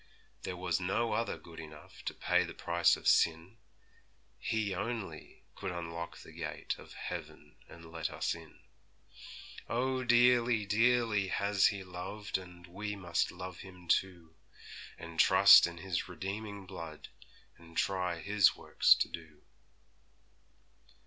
There was no other good enough To pay the price of sin; He only could unlock the gate Of heaven and let us in. Oh, dearly, dearly has He loved, And we must love Him too, And trust in His redeeming blood, And try His works to do.'